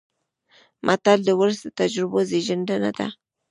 متل د ولس د تجربو زېږنده ده